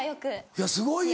いやすごいよ。